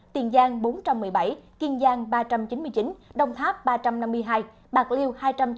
tiền giang bốn trăm một mươi bảy kiên giang ba trăm chín mươi chín đồng tháp ba trăm năm mươi hai bạc liêu hai trăm chín mươi chín